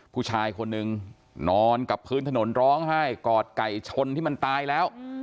ผู้ชายคนหนึ่งนอนกับพื้นถนนร้องไห้กอดไก่ชนที่มันตายแล้ว